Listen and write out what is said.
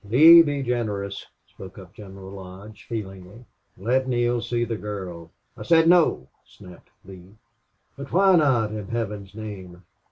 "Lee, be generous," spoke up General Lodge, feelingly. "Let Neale see the girl." "I said no!" snapped Lee. "But why not, in Heaven's name?"